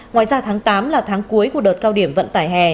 ngoài ra tháng tám là tháng cuối của đợt cao điểm vận tải hè